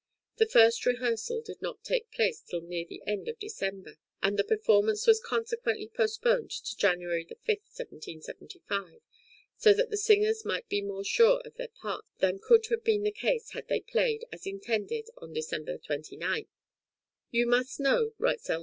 The first rehearsal did not take place till near the end of December, and the performance was consequently postponed to January 5, 1775, so that the singers might be more sure of their parts than could have been the case had they played, as intended, on December 29. "You must know," writes L.